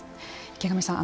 池上さん